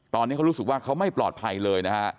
ตอนนี้เขารู้สึกว่าเขาไม่ปลอดภัยเลยนะฮะ